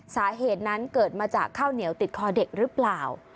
สาเหตุนั้นเกิดมาจากข้าวเหนียวติดคอเด็กหรือเปล่า